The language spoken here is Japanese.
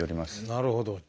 なるほど。